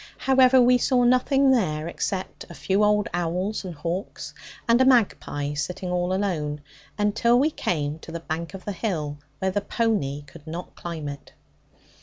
However, we saw nothing there, except a few old owls and hawks, and a magpie sitting all alone, until we came to the bank of the hill, where the pony could not climb it.